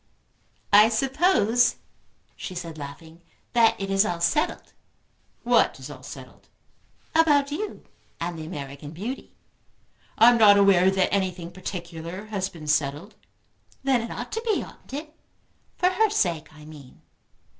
"I suppose," she said, laughing, "that it is all settled." "What is all settled?" "About you and the American beauty." "I am not aware that anything particular has been settled." "Then it ought to be, oughtn't it? For her sake, I mean."